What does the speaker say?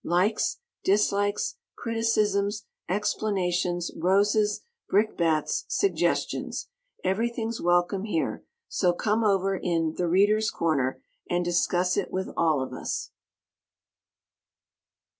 Likes, dislikes, criticisms, explanations, roses, brickbats, suggestions everything's welcome here: so "come over in 'The Readers' Corner'" and discuss it with all of us!